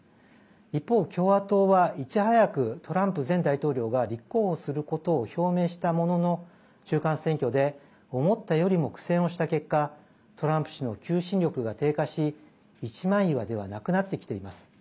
一方、共和党はいち早く、トランプ前大統領が立候補することを表明したものの中間選挙で思ったよりも苦戦をした結果トランプ氏の求心力が低下し一枚岩ではなくなってきています。